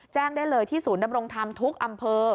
แจ้งได้เลยที่ศูนย์ดำรงธรรมทุกอำเภอ